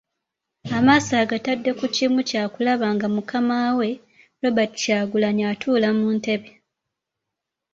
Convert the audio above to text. Amaaso agatadde ku kimu kyakulaba nga Mukama we, Robert Kyagulanyi atuula mu ntebe.